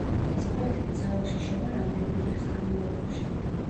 ეს პროექტი ძალაში შევა რამდენიმე თვის განმავლობაში.